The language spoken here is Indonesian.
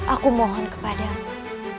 aku mohon kepada kamu